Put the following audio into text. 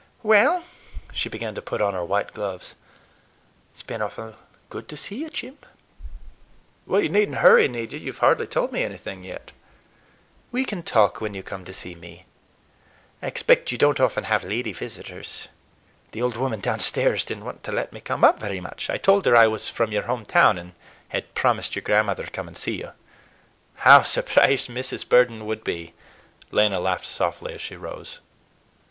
Well,"—she began to put on her white gloves,—"it's been awful good to see you, Jim." "You need n't hurry, need you? You've hardly told me anything yet." "We can talk when you come to see me. I expect you don't often have lady visitors. The old woman downstairs did n't want to let me come up very much. I told her I was from your home town, and had promised your grandmother to come and see you. How surprised Mrs. Burden would be!" Lena laughed softly as she rose.